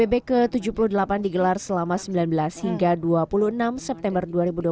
sidang majelis umum pbb ke tujuh puluh delapan digelar selama sembilan belas hingga dua puluh enam september dua ribu dua puluh tiga